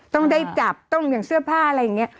ต้องได้จับต้องอย่างเสื้อผ้าอะไรอย่างนี้